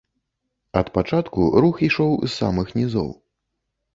Ад пачатку рух ішоў з самых нізоў.